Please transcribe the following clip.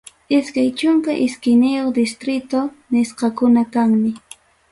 Iskay chunka isqunniyuq distrito nisqakuna kanmi.